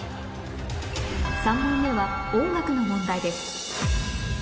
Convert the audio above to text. ３問目は音楽の問題です